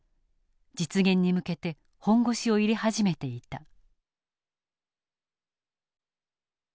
実現に向けて本腰を入れ始めていた。